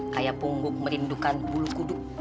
kayak pungguk merindukan bulu kudu